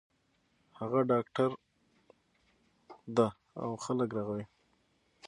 هغه ډاکټر ده او خلک رغوی